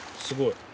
すごい。